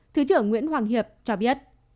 thứ trưởng nguyễn hoàng hiệp cho biết